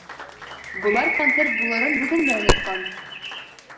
Былар концерт булырын бөтөнләй онотҡан.